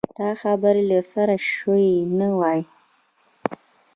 دا خبرې له سره شوې نه وای.